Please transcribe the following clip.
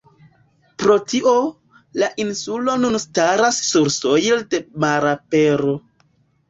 Pro tio, la insulo nun staras sursojle de malapero.